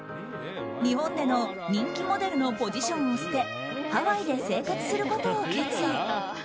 日本での人気モデルのポジションを捨てハワイで生活することを決意。